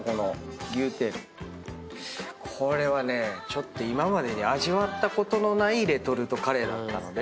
ちょっと今までに味わったことのないレトルトカレーだったので。